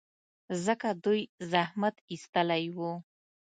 ځکه دوی زحمت ایستلی و.